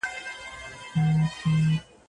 سور سالو يې د لمبو رنګ دی اخيستى